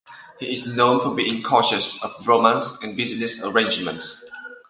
He is known for being cautious of romance and business arrangements.